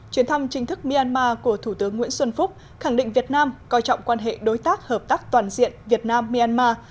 chuyến thăm chính thức myanmar của thủ tướng nguyễn xuân phúc khẳng định việt nam coi trọng quan hệ đối tác hợp tác toàn diện việt nam myanmar